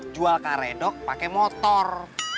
jual karedok pakai motor